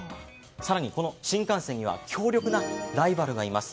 更に、この新幹線には強力なライバルがいます。